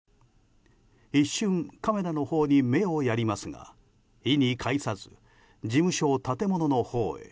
一瞬、カメラのほうに目をやりますが意に介さず事務所建物のほうへ。